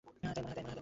তাই মনে হয়।